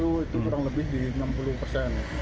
itu kurang lebih di enam puluh persen